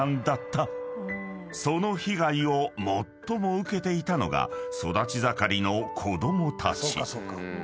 ［その被害を最も受けていたのが育ち盛りの子供たち］